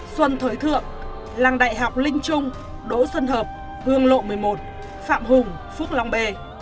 xuân thới thượng làng đại học linh trung đỗ xuân hợp hương lộ một mươi một phạm hùng phước long b